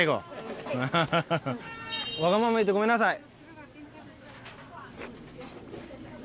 ハハハハわがまま言ってごめんなさい。